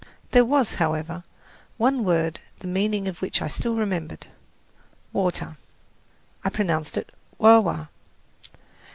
There was, however, one word the meaning of which I still remembered, WATER. I pronounced it "wa wa."